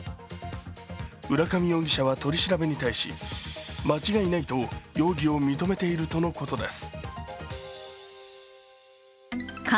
浦上容疑者は取り調べに対し間違いないと容疑を認めているということです。